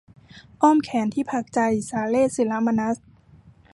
อ้อมแขนที่พักใจ - สาเรศ ศิระมนัส